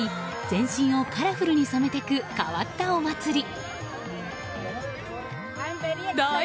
全身をカラフルに染めていく変わったお祭り。